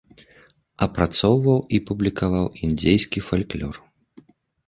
Апрацоўваў і публікаваў індзейскі фальклор.